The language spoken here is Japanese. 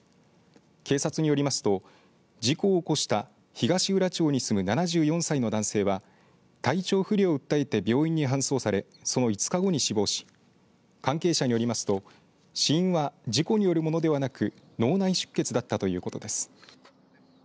警察によりますと事故を起こした東浦町に住む７４歳の男性は体調不良を訴えて病院に搬送されその５日後に死亡し関係者によりますと死因は事故によるものではなく脳内出血だったということです。